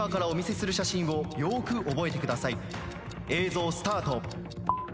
映像スタート。